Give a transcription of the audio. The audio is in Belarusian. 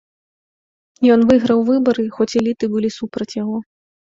Ён выйграў выбары, хоць эліты былі супраць яго.